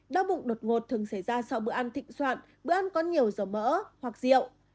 đau bụng đột ngột thường xảy ra sau bữa ăn thịnh soạn bữa ăn có nhiều dầu mỡ hoặc rượu